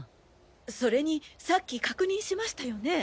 それにさっき確認しましたよね？